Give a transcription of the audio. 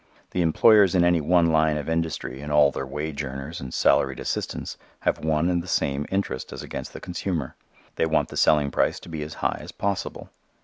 The employers in any one line of industry and all their wage earners and salaried assistants have one and the same interest as against the consumer. They want the selling price to be as high as possible.